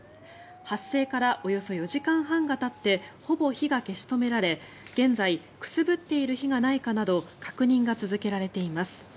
発生からおよそ４時間半がたってほぼ火が消し止められ現在くすぶっている火がないかなど確認が続けられています。